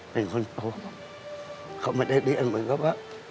เป็นคนโตเขาไม่ได้เลี้ยงเหมือนกับว่า